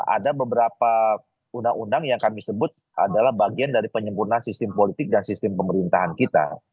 ada beberapa undang undang yang kami sebut adalah bagian dari penyempurnaan sistem politik dan sistem pemerintahan kita